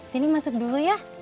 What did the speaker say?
tini masuk dulu ya